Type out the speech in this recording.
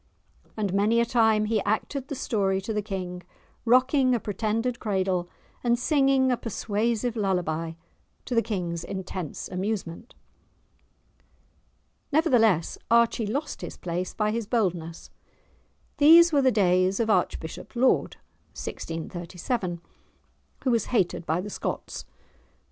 And many a time he acted the story to the King, rocking a pretended cradle, and singing a persuasive lullaby, to the King's intense amusement. Nevertheless, Archie lost his place by his boldness. These were the days of Archbishop Laud (1637), who was hated by the Scots.